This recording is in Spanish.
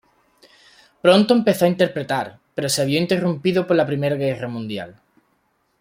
Pronto empezó a interpretar, pero se vio interrumpido por la Primera Guerra Mundial.